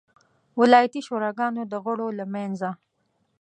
ولایتي شوراګانو د غړو له منځه.